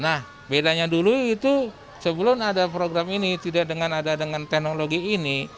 nah bedanya dulu itu sebelum ada program ini tidak dengan ada dengan teknologi ini